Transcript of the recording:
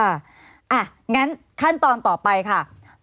อย่างนั้นขั้นตอนต่อไปค่ะ